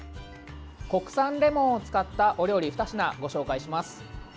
国産レモンを使ったお料理２品ご紹介します。